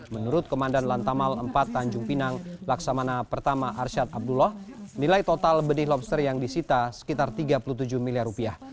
menurut komandan lantamal empat tanjung pinang laksamana i arsyad abdullah nilai total benih lobster yang disita sekitar tiga puluh tujuh miliar rupiah